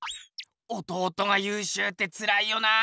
弟がゆうしゅうってつらいよな。